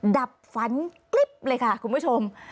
ดับฝันกริ๊บเลยค่ะคุณผู้ชม